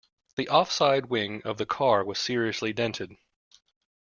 The offside wing of the car was seriously dented